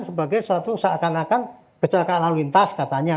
sebagai suatu seakan akan kecelakaan lalu lintas katanya